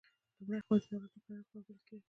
لومړۍ قوه د دولت مقننه قوه بلل کیږي.